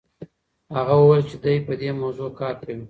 هغه وویل چې دی په دې موضوع کار کوي.